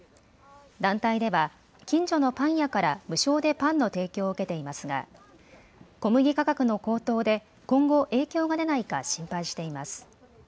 団体では近所のパン屋から無償でパンの提供を受けていますが小麦価格の高騰で今後、影響が出ないか心配しています。